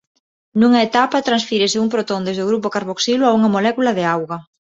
Nunha etapa transfírese un protón desde o grupo carboxilo a unha molécula de auga.